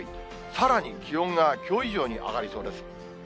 さらに気温がきょう以上に上がりそうです。